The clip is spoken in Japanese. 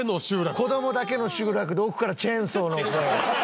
子供だけの集落で奥からチェーンソーの音。